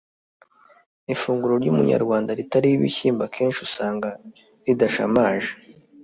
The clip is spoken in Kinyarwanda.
ifunguro ry’umunyarwanda ritariho ibishyimbo akenshi usanga ridashamaje.